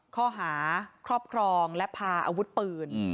ข้อหาครอบครองและพาอาวุธปืน